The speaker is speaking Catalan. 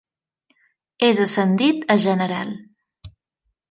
És ascendit a general.